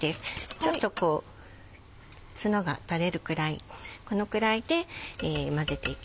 ちょっとこうツノが垂れるくらいこのくらいで混ぜていきます。